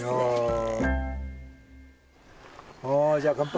はいじゃあ乾杯。